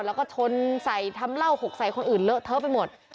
แล้วก็ชนใส่ทำเหล้าหกใส่คนอื่นเลอะเทอะไปหมด